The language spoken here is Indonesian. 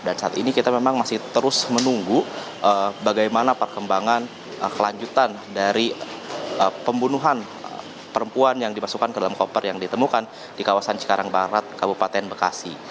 dan saat ini kita memang masih terus menunggu bagaimana perkembangan kelanjutan dari pembunuhan perempuan yang dimasukkan ke dalam koper yang ditemukan di kawasan cikarang barat kabupaten bekasi